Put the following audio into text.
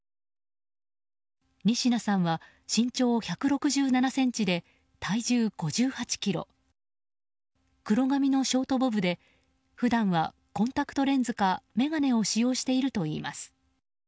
仁科さんは身長１６７ｃｍで体重５８ｋｇ黒髪のショートボブで普段はコンタクトレンズか眼鏡を使用しているといいます。